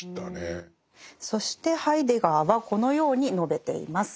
そしてハイデガーはこのように述べています。